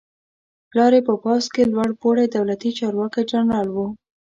پلار یې په پوځ کې لوړ پوړی دولتي چارواکی جنرال و.